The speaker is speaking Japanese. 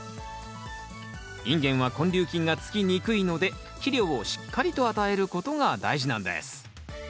インゲンは根粒菌がつきにくいので肥料をしっかりと与えることが大事なんです